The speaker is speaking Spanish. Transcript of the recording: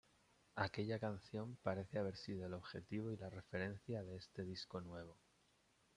Aquella canción parece haber sido el objetivo y la referencia de este disco nuevo.